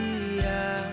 jangan lupa l marines